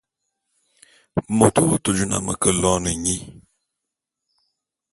Môt w'ake jô na me ke loene nye nyi.